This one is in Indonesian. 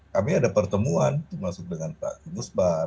kami ada pertemuan termasuk dengan pak gumusbar